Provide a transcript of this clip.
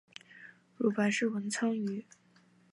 如白氏文昌鱼。